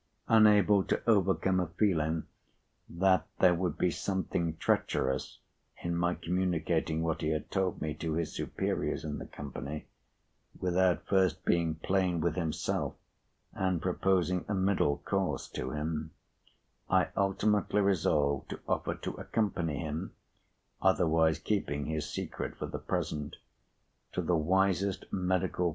Unable to overcome a feeling that there would be something treacherous in my communicating what he had told me, to his superiors in the Company, without first being plain with himself and proposing a middle course to him, I ultimately resolved to offer to accompany him (otherwise keeping his secret for the present) to the wisest medical p.